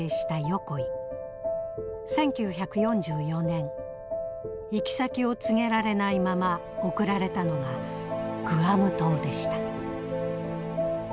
１９４４年行き先を告げられないまま送られたのがグアム島でした。